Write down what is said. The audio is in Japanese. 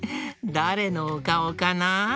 だれのおかおかな？